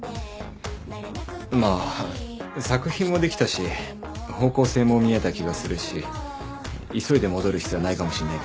まあ作品もできたし方向性も見えた気がするし急いで戻る必要ないかもしんないけど。